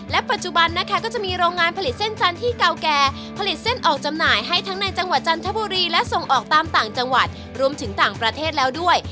ปัจจุบันนะคะก็จะมีโรงงานผลิตเส้นจันทร์ที่เก่าแก่ผลิตเส้นออกจำหน่ายให้ทั้งในจังหวัดจันทบุรีและส่งออกตามต่างจังหวัดรวมถึงต่างประเทศแล้วด้วย